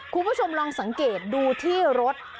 คุณผู้ชมลองสังเกตดูที่รถ